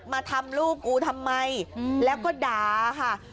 มาทำลูกกูทำไมแล้วก็ด่าค่ะ